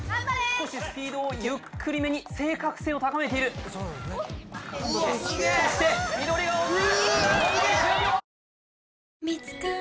少しスピードをゆっくりめに正確性を高めているそして緑が落ちる